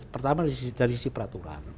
pertama dari sisi peraturan